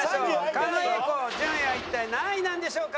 狩野英孝順位は一体何位なんでしょうか？